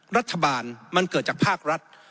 รัฐบาลมันเกิดจากภาครัฐ